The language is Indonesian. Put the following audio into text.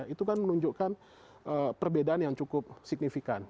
itu kan menunjukkan perbedaan yang cukup signifikan